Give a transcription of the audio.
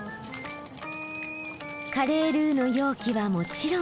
カレールーの容器はもちろん。